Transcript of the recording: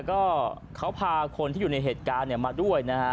ก็เขาพาคนที่อยู่ในเหตุการณ์มาด้วยนะฮะ